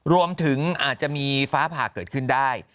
รวมถึงอาจจะมีฟ้าผ่าเกิดขึ้นได้